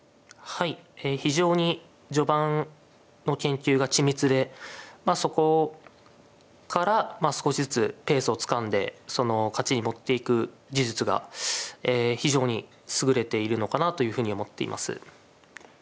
はい非常に序盤の研究が緻密でそこから少しずつペースをつかんで勝ちに持っていく技術が非常に優れているのかなというふうに思っています。